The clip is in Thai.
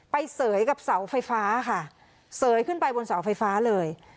เสยกับเสาไฟฟ้าค่ะเสยขึ้นไปบนเสาไฟฟ้าเลย